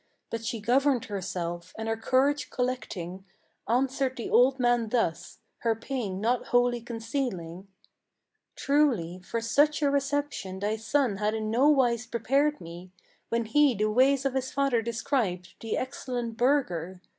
But she governed herself, and her courage collecting, Answered the old man thus, her pain not wholly concealing: "Truly for such a reception thy son had in no wise prepared me, When he the ways of his father described, the excellent burgher.